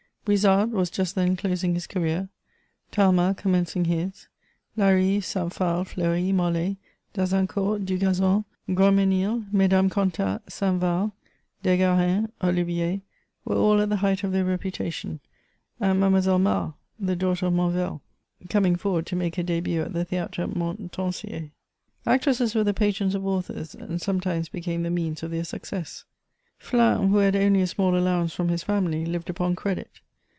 Brizard was just then closing his career ; Talma commencing his : Larive, St. Phal, Fleury, Mol^, Dazincourt, Dugazon, Grandmesnil ; Mesdames Contat, St. Val, Desgareins, Olivier, were all at the height of their reputation, and Mademoiselle Mars, the daughter of Monvel, coming forward to make her d^but at the Theatre Montansier. Actresses were the patrons of authors^ and sometimes became the means of their success. Flins, who had only a small allowance from his family, lived upon credit.